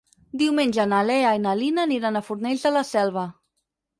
Diumenge na Lena i na Lia aniran a Fornells de la Selva.